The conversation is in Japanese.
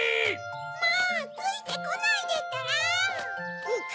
もうついてこないでったら！